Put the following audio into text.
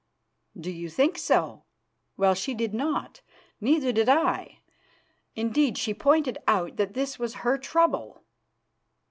"Do you think so? Well, she did not, neither did I. Indeed, she pointed out that this was her trouble.